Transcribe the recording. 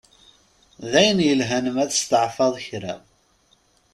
D ayen yelhan ma testeɛfaḍ kra.